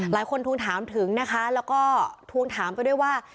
ทวงถามถึงนะคะแล้วก็ทวงถามไปด้วยว่า